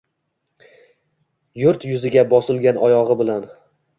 Yurt yuziga bosilgan oyogʼi bilan